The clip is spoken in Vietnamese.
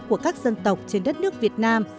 của các dân tộc trên đất nước việt nam